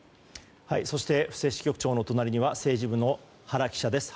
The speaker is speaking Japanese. そして布施支局長のお隣には、政治部の原記者です。